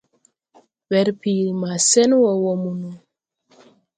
Werpiiri maa sen wɔɔ wɔɔ mo no.